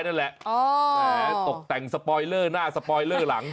นั่นแหละแหมตกแต่งสปอยเลอร์หน้าสปอยเลอร์หลัง